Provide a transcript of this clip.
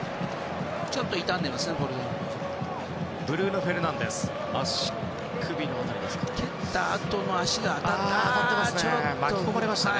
ちょっと痛んでますね。